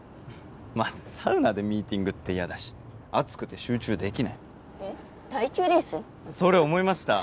まずサウナでミーティングって嫌だし暑くて集中できないえっ耐久レース？それ思いました